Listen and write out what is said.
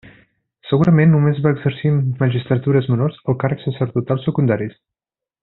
Segurament només va exercir magistratures menors o càrrecs sacerdotals secundaris.